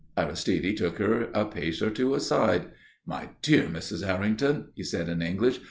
Aristide took her a pace or two aside. "My dear Mrs. Errington," said he, in English.